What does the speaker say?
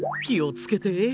きをつけて。